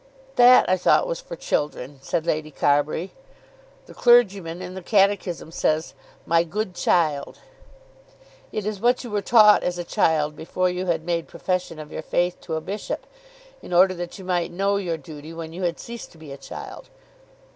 "That, I thought, was for children," said Lady Carbury. "The clergyman, in the catechism, says, 'My good child.'" "It is what you were taught as a child before you had made profession of your faith to a bishop, in order that you might know your duty when you had ceased to be a child.